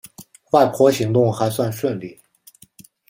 外婆行动还算顺利